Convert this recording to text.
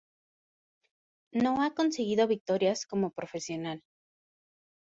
No ha conseguido victorias como profesional.